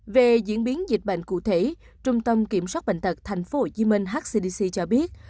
về diễn biến dịch bệnh cụ thể trung tâm kiểm soát bệnh tật thành phố hồ chí minh hcdc cho biết